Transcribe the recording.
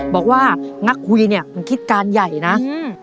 บอกว่านักคุยเนี่ยมันคิดการใหญ่นะอืม